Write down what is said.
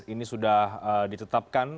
ini sudah ditetapkan